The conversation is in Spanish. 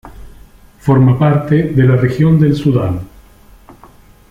Forma parte de la región del Sudán.